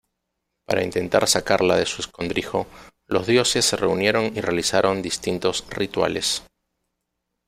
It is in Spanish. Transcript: Para intentar sacarla de su escondrijo, los dioses se reunieron y realizaron distintos rituales.